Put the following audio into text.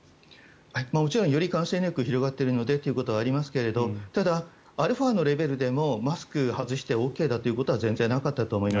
もちろんより感染力が広がっているのでということもありますがただ、アルファのレベルでもマスクを外してＯＫということは全然なかったと思います。